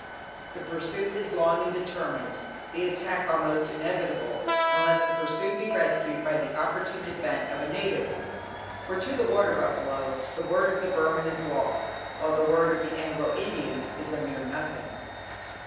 The pursuit is long and determined, the attack almost inevitable, unless the pursued be rescued by the opportune advent of a native, for to the water buffalo the word of the Burman is law, while the word of the Anglo Indian is a mere nothing.